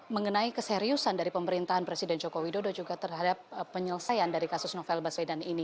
mengenai keseriusan dari pemerintahan presiden joko widodo juga terhadap penyelesaian dari kasus novel baswedan ini